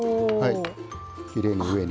きれいに上に。